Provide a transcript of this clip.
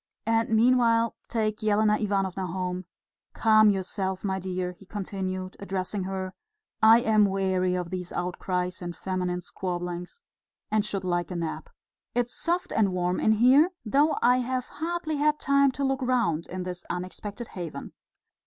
And meanwhile take Elena Ivanovna home.... Calm yourself, my dear," he continued, addressing her. "I am weary of these outcries and feminine squabblings, and should like a nap. It's soft and warm in here, though I have hardly had time to look round in this unexpected haven."